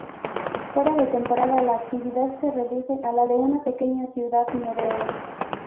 Fuera de temporada la actividad se reduce a la de una pequeña ciudad noruega.